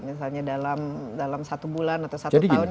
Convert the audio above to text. misalnya dalam satu bulan atau satu tahun